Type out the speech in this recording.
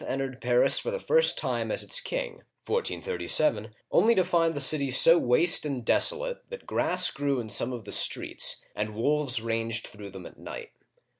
entered Paris for the first time as its king (1437), only to find the city so waste and desolate that grass grew in some of the streets, and wolves ranged through them at night.